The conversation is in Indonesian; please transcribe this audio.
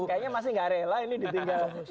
kayaknya masih gak rela ini ditinggal